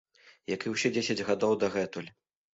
Як і ўсе дзесяць гадоў дагэтуль.